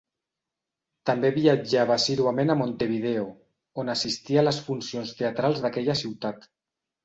També viatjava assíduament a Montevideo, on assistia a les funcions teatrals d'aquella ciutat.